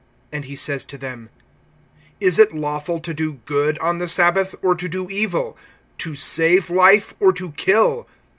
(4)And he says to them: Is it lawful to do good on the sabbath, or to do evil; to save life, or to kill?